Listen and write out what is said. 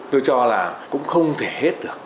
tôi cho là cũng không thể hết được